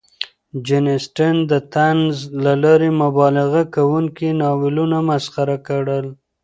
جین اسټن د طنز له لارې مبالغه کوونکي ناولونه مسخره کړل.